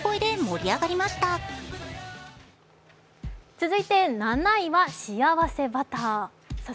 続いて７位はしあわせバタ。